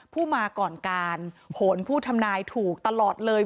ผู้มาก่อนการโหนผู้ทำนายถูกตลอดเลย